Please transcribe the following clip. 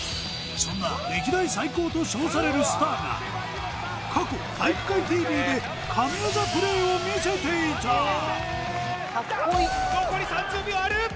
そんな歴代最高と称されるスターが過去「体育会ＴＶ」でを見せていた残り３０秒ある！